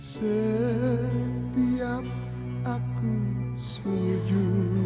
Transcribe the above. setiap aku setuju